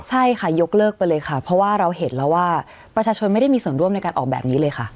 ใช่ค่ะยกเลิกไปเลยค่ะเพราะว่าเราเห็นแล้วว่าประชาชนไม่ได้มีส่วนร่วมในการออกแบบนี้เลยค่ะ